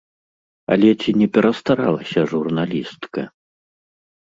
Але ці не перастаралася журналістка?